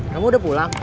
kamu udah pulang